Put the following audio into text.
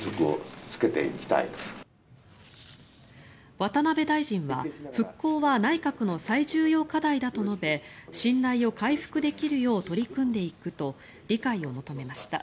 渡辺大臣は復興は内閣の最重要課題だと述べ信頼を回復できるよう取り組んでいくと理解を求めました。